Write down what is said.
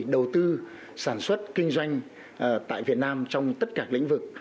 đầu tư sản xuất kinh doanh tại việt nam trong tất cả lĩnh vực